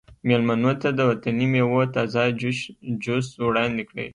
میلمنو ته د وطني میوو تازه جوس وړاندې کړئ